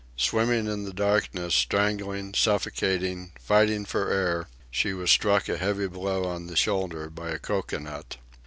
Swimming in the darkness, strangling, suffocating, fighting for air, she was struck a heavy blow on the shoulder by a cocoanut.